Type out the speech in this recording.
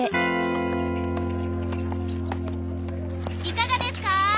いかがですか？